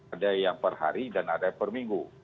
ada yang per hari dan ada yang per minggu